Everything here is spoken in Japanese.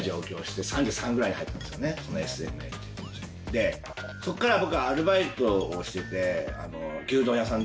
でそこから僕アルバイトをしてて。